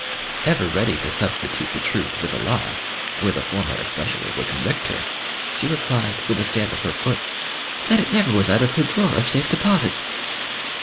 Ever ready to substitute the truth with a lie, where the former especially would convict her, she replied, with a stamp of her foot, "that it never was out of her drawer of safe deposit."